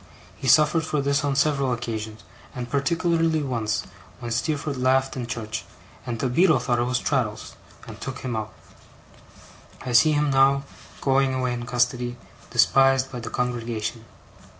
He suffered for this on several occasions; and particularly once, when Steerforth laughed in church, and the Beadle thought it was Traddles, and took him out. I see him now, going away in custody, despised by the congregation.